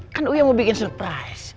kan uya mau bikin surprise